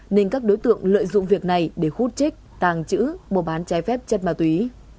nên các đối tượng lợi dụng việc này để hút trích tàng trữ mua bán trái phép chất ma túy